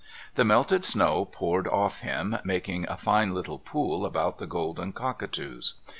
The melted snow poured off him, making a fine little pool about the golden cockatoos.